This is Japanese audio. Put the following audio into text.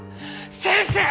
先生！